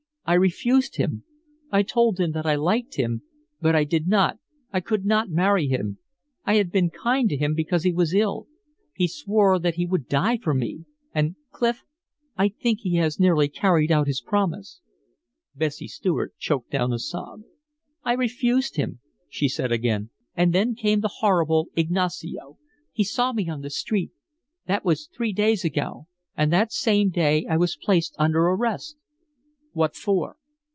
I refused him. I told him that I liked him, but I did not, I could not marry him. I had been kind to him because he was ill. He swore that he would die for me and, Clif, I think he has nearly carried out his promise." Bessie Stuart choked down a sob. "I refused him," she said again. "And then came the horrible Ignacio. He saw me on the street. That was three days ago; and that same day I was placed under arrest." "What for?"